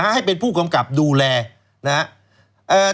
ให้เป็นผู้กำกับดูแลนะครับ